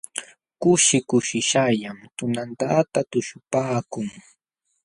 Kushi kushishqallam tunantadata tuśhupaakun.